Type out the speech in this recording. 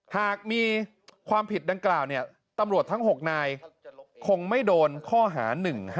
หากมีความผิดดังกล่าวตำรวจทั้ง๖นายคงไม่โดนข้อหา๑๕